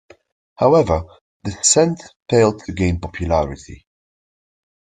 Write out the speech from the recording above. However, this scent failed to gain popularity.